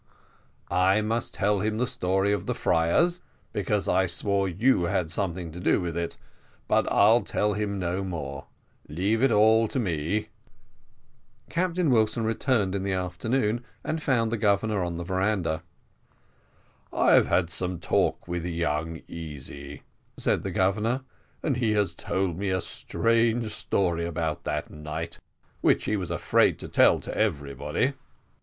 I must tell him the story of the friars, because I swore you had something to do with it but I'll tell him no more: leave it all to me." Captain Wilson returned in the afternoon, and found the Governor in the veranda. "I have had some talk with young Easy," said the Governor, "and he has told me a strange story about that night, which he was afraid to tell to everybody."